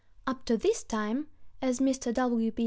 Up to this time, as Mr. W.